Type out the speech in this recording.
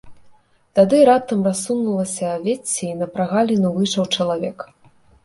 Тады раптам рассунулася вецце і на прагаліну выйшаў чалавек.